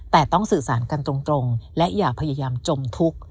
แต่ต้องสื่อสารกันตรงและอย่าพยายามจมทุกข์